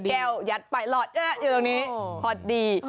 แก้วยัดไปเหรอะอยู่ตรงนี้